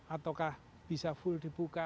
ataukah bisa full dibuka